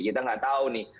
kita nggak tahu nih